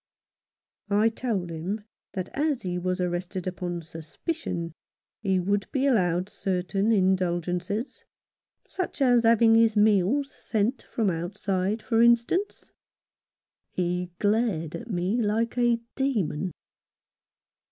I told him that, as he was arrested upon suspicion, he would be allowed certain indulgences — such as having his meals sent from outside, for instance. 136 John Fauncis Experiences. No. 29. He glared at me like a demon.